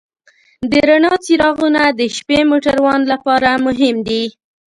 د رڼا څراغونه د شپې موټروان لپاره مهم دي.